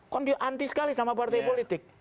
kan dia anti sekali sama partai politik